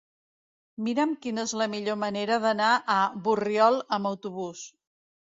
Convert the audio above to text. Mira'm quina és la millor manera d'anar a Borriol amb autobús.